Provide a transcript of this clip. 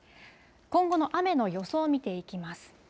今後の雨の予想を見ていきます。